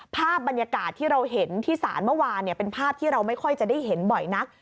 ภาพบรรยากาศที่เราเห็นที่ศาลเมื่อวานเป็นภาพที่เราไม่ค่อยจะได้เห็นบ่อยนัก